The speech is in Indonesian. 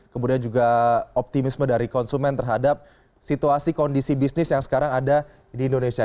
kemudian juga optimisme dari konsumen terhadap situasi kondisi bisnis yang sekarang ada di indonesia